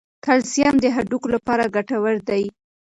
کلسیم د هډوکو لپاره ګټور دی.